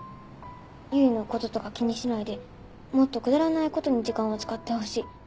唯のこととか気にしないでもっとくだらないことに時間を使ってほしい。